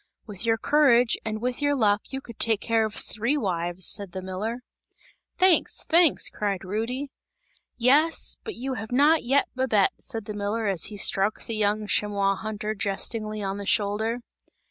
"With your courage and with your luck you could take care of three wives!" said the miller. "Thanks! Thanks!" cried Rudy. "Yes, but you have not yet Babette!" said the miller as he struck the young chamois hunter, jestingly on the shoulder.